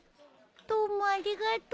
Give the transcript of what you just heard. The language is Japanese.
どうもありがとう。